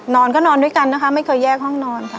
นอนก็นอนด้วยกันนะคะไม่เคยแยกห้องนอนค่ะ